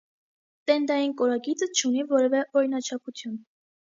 Տենդային կորագիծը չունի որևէ օրինաչափություն։